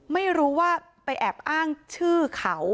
ไม่รู้ว่าไปแอบอ้างชื่อเขา